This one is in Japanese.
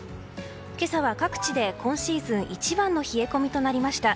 今朝は各地で今シーズン一番の冷え込みとなりました。